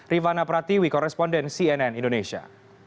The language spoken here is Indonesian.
rifana pratiwi koresponden cnn indonesia